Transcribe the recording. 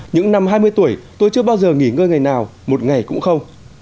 những năm hai mươi tuổi tôi chưa bao giờ nghỉ ngơi ngày nào một ngày cũng không